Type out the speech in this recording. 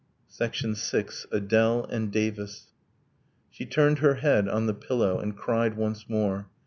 VI. ADELE AND DAVIS She turned her head on the pillow, and cried once more.